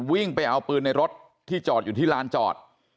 วิ่งไปเอาปืนในรถที่จอดอยู่ที่ลานจอด